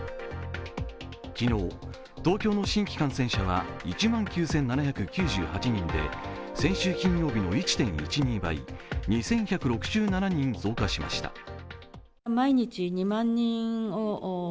昨日、東京の新規感染者は１万９７９８人で先週金曜日の１．１２倍、２１６７人増加しました。